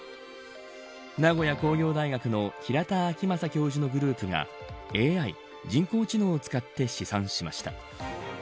名古屋工業大学の平田晃正教授のグループがＡＩ人工知能を使って試算しました。